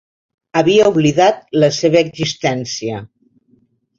Havia oblidat la seva existència.